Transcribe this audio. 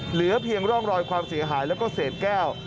เหลือเพียงร่องรอยความเสียหายแล้วก็เศษแก้ว